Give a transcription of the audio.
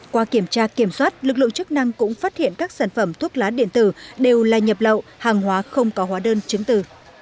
qua kiểm tra kiểm soát lực lượng chức năng cũng phát hiện các sản phẩm thuốc lá điện tử đều là nhập lậu hàng hóa không có hóa đơn chứng từ